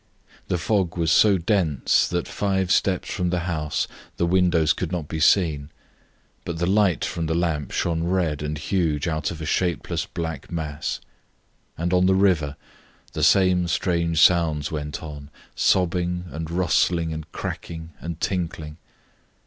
The fog was so dense that five steps from the house the windows could not be seen, but the light from the lamp shone red and huge out of a shapeless black mass. And on the river the same strange sounds went on, sobbing and rustling and cracking and tinkling.